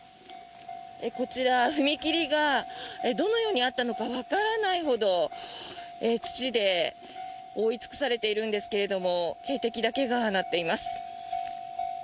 こちら、踏切がどのようにあったのかわからないほど土で覆い尽くされているんですけれども警笛だけが鳴っています。